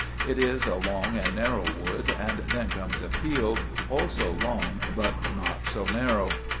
It is a long and narrow wood, and then comes a field, also long but not so narrow.